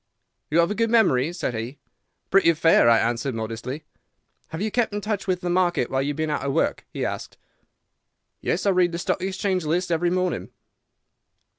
"'You have a good memory?' said he. "'Pretty fair,' I answered, modestly. "'Have you kept in touch with the market while you have been out of work?' he asked. "'Yes; I read the Stock Exchange List every morning.